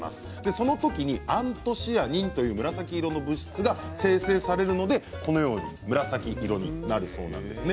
それ時にアントシアニンという紫色の物質が生成されるので紫色になるそうなんですね。